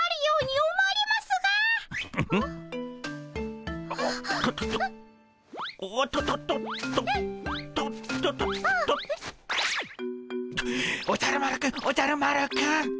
おじゃる丸くんおじゃる丸くん。